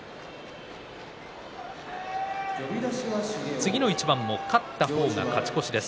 次の一番も勝った方が勝ち越しです。